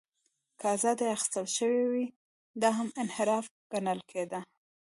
که ازادۍ اخیستل شوې وې، دا هم انحراف ګڼل کېده.